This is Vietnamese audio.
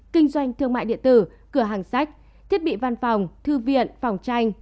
kinh doanh thương mại điện tử cửa hàng sách thiết bị văn phòng thư viện phòng tranh